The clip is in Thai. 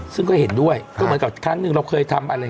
ซึ่งก็เห็นด้วยก็เหมือนกับครั้งหนึ่งเราเคยทำอะไร